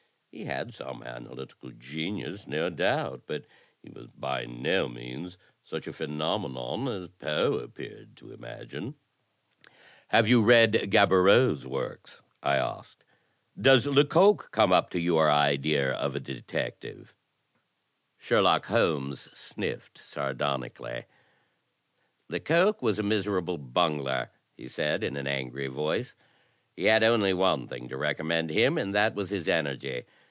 He had some analytical genius, no doubt; but he was by no means such a phenomenon as Poe appeared to imagine." "Have you read Gaboriau's works?" I asked. "Does Lecoq come up to your idea of a detective?" 78 THE TECHNIQUE OF THE MYSTERY STORY Sherlock Holmes sniffed sardonically. "Lecoq was a miserable bungler," he said, in an angry vodce; "he had only one thing to recommend him, and that was his energy.